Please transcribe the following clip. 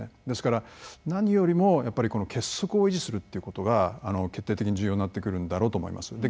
ですから、何よりも結束を維持するということが決定的に重要になってくるだろうと思います。